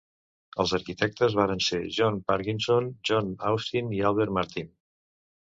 Els arquitectes varen ser John Parkinson, John Austin i Albert Martin.